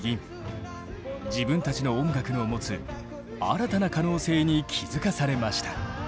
自分たちの音楽のもつ新たな可能性に気付かされました。